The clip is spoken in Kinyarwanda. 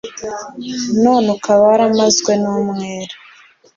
none ukaba waramazwe n’umwera